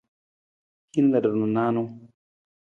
Hin ludu na nijanu.